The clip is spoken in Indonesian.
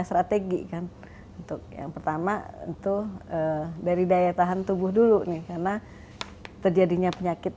strategi kan untuk yang pertama itu dari daya tahan tubuh dulu nih karena terjadinya penyakit